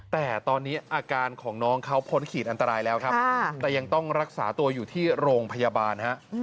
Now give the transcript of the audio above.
แต่ตอนนี้อาการของน้องเขาพ้นขีดอันตรายแล้วครับแต่ยังต้องรักษาตัวอยู่ที่โรงพยาบาลฮะ